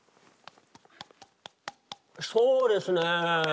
そうですね。